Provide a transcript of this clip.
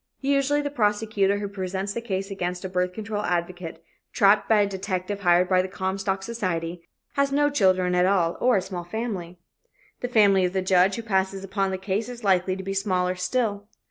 Usually the prosecutor who presents the case against a birth control advocate, trapped by a detective hired by the Comstock Society, has no children at all or a small family. The family of the judge who passes upon the case is likely to be smaller still.